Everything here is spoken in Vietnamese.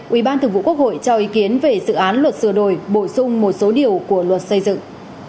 ủy ban thường vụ quốc hội cho ý kiến về dự án luật sửa đổi bổ sung một số điều của luật xây dựng